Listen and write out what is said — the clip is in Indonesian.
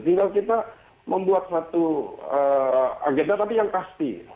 tinggal kita membuat satu agenda tapi yang pasti